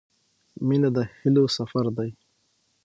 • مینه د هیلو سفر دی.